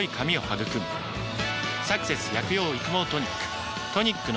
「サクセス薬用育毛トニック」